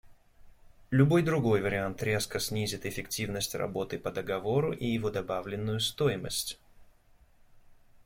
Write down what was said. Любой другой вариант резко снизит эффективность работы по договору и его добавленную стоимость.